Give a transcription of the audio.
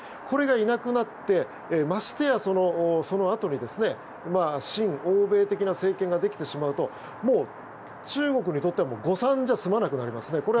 これがいなくなってましてや、そのあとに親欧米的な政権ができてしまうともう中国にとっては誤算じゃ済まなくなりますね。